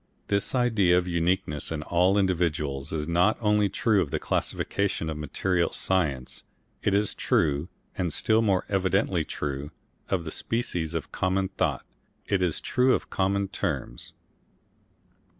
This idea of uniqueness in all individuals is not only true of the classifications of material science; it is true, and still more evidently true, of the species of common thought, it is true of common terms.